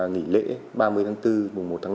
nghỉ lễ ba mươi tháng bốn